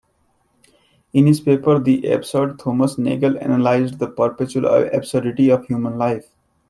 In his paper, "The Absurd", Thomas Nagel analyzed the perpetual absurdity of human life.